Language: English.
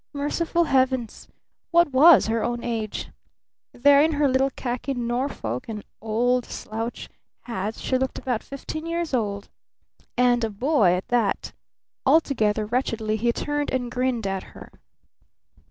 Merciful Heavens! what was her "own age"? There in her little khaki Norfolk and old slouch hat she looked about fifteen years old and a boy, at that. Altogether wretchedly he turned and grinned at her.